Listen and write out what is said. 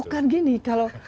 bukan gini kalau